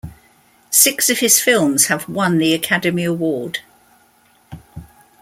Six of his films have won the Academy Award.